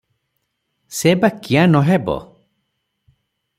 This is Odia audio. ସେ ବା କିଆଁ ନ ହେବ?